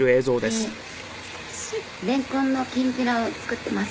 「レンコンのきんぴらを作っています」